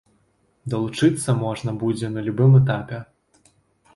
Далучыцца можна будзе на любым этапе.